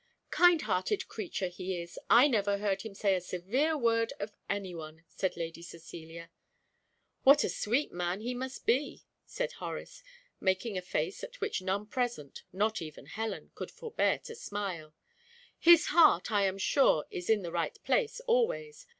"Kind hearted creature he is, I never heard him say a severe word of any one," said Lady Cecilia. "What a sweet man he must he!" said Horace, making a face at which none present, not even Helen, could forbear to smile. "His heart, I am sure, is in the right place always.